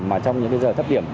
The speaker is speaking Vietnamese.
mà trong những cái giờ thấp điểm